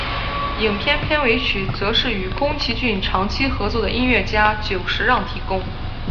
影片片尾曲则是与宫崎骏长期合作的音乐家久石让提供。